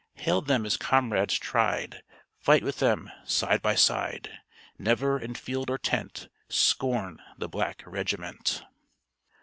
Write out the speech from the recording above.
Hail them as comrades tried; Fight with them side by side; Never, in field or tent, Scorn the black regiment!